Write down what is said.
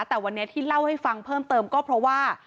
แต่วันนี้ที่เล่าให้ฟังเพิ่มเติมก็เพราะว่า